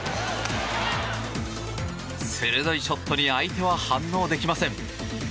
鋭いショットに相手は反応できません。